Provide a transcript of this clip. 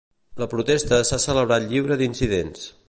La protesta s'ha celebrat lliure d'incidents.